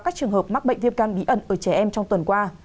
các trường hợp mắc bệnh viêm gan bí ẩn ở trẻ em trong tuần qua